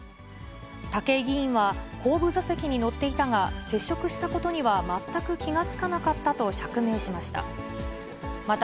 武井議員は、後部座席に乗っていたが、接触したことには全く気が付かなかったと釈明しました。